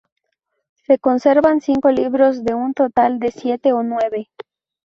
Se conservan cinco libros de un total de siete o nueve.